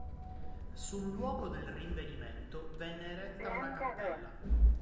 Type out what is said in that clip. Sul luogo del rinvenimento venne eretta una cappella.